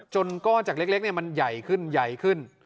จนก็จากเล็กมันใหญ่ขึ้นขึ้น